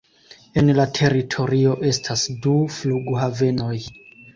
En la teritorio estas du flughavenoj.